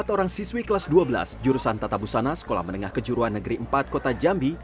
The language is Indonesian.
empat orang siswi kelas dua belas jurusan tata busana sekolah menengah kejuruan negeri empat kota jambi